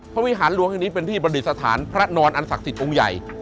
วิหารหลวงแห่งนี้เป็นที่ประดิษฐานพระนอนอันศักดิ์สิทธิ์องค์ใหญ่